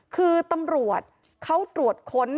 คือตำรวจเขาตรวจค้น